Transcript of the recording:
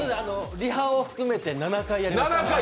リハを含めて７回やりました。